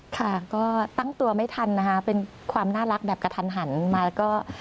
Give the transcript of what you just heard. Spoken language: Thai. ค่ะก็ตั้งตัวไม่ทันนะคะเป็นความน่ารักแบบกระทันหันมาแล้วก็